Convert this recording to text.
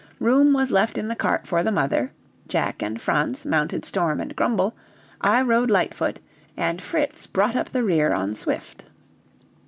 Room was left in the cart for the mother. Jack and Franz mounted Storm and Grumble, I rode Lightfoot, and Fritz brought up the rear on Swift.